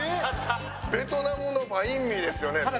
ベトナムのバインミーですよね。